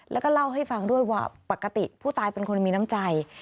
แล้วก็เล่าให้ฟังด้วยว่าปกติผู้ตายเป็นคนมีน้ำใจ